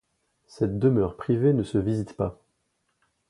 Cette demeure privée ne se visite pas.